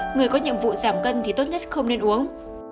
người có nhiệm vụ giảm cân thì tốt nhất không nên uống